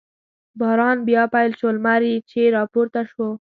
باران بیا پیل شو، لمر چې را پورته شو.